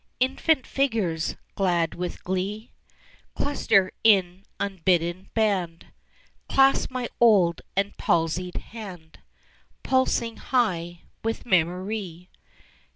Infant figures glad with glee, Cluster in unbidden band, Clasp my old and palsied hand Pulsing high with memory.